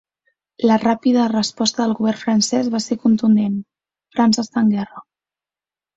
La ràpida resposta del govern francès va ser contundent: ‘França està en guerra’.